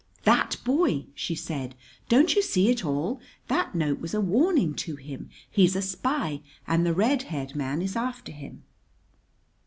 "That boy!" she said. "Don't you see it all? That note was a warning to him. He's a spy and the red haired man is after him."